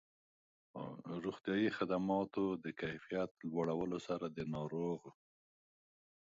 روغتیایي خدماتو د کيفيت لوړولو سره د ناروغ